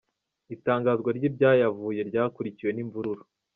Itangazwa ry’ ibyayavuye ryakurikiwe n’ imvururu.